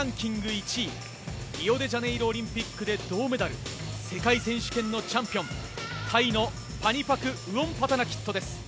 １位リオデジャネイロオリンピックで銅メダル世界選手権のチャンピオンタイのパニパク・ウオンパタナキットです。